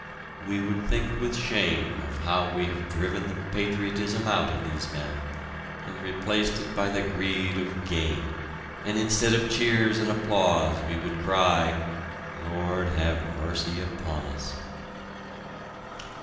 We would think with shame of how we have driven the patriotism out of these men and replaced it by the greed of gain, and instead of cheers and applause we would cry: "Lord, have mercy upon us!"